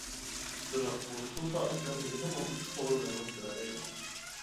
بىراق بۇ سۇ سائەتلەر ھېلىھەم ۋاقىتتىن توغرا مەلۇمات بېرەلەيدۇ.